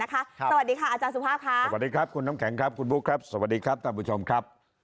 ขิ้วขมวดก่อนฮะ